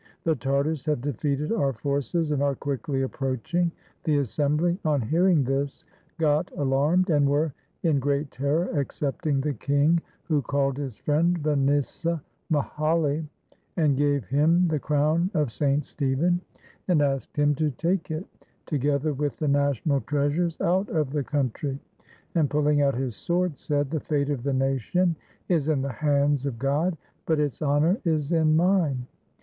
The Tartars have defeated our forces and are quickly approaching." The assembly, on hearing this, got alarmed and were in great terror, excepting the king, who called his friend Vanisa Mihaly, and gave him the crown of St. Stephen and asked him to take it, together with the national treasures, out of the coun try, and pulling out his sword said, "The fate of the nation is in the hands of God, but its honor is in mine.